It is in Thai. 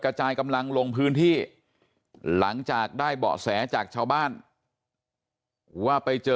กระจายกำลังลงพื้นที่หลังจากได้เบาะแสจากชาวบ้านว่าไปเจอ